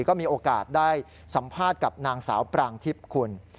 ก็มีโอกาสได้สัมภาษณ์กับนางสาวปรางทิพย์คุณ